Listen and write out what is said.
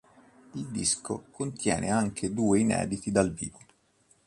Il disco contiene anche due inediti dal vivo.